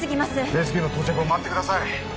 レスキューの到着を待ってください